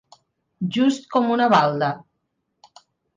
Just com una balda.